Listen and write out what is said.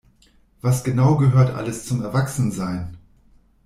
Was genau gehört alles zum Erwachsensein?